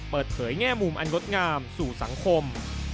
เปิดเผยแง่มุมอันยดงามสู่สังคม